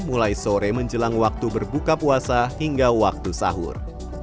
mulai sore menjelang waktu berbuka puasa hingga waktu sahur